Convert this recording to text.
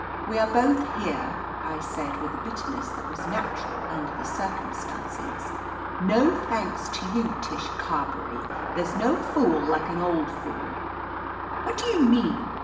"We are both here," I said, with a bitterness that was natural under the circumstances. "No thanks to you, Tish Carberry. There's no fool like an old fool. "What do you mean?"